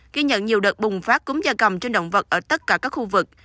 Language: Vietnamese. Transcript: ghi nhận nhiều đợt bùng phát cúng da cầm trên động vật ở tất cả các khu vực